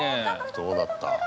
どうなった？